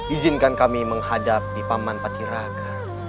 izinkan kami menghadapi paman patiraga